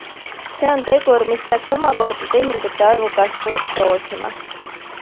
See on tegur, mis peaks omakorda tehingute arvu kasvu soosima.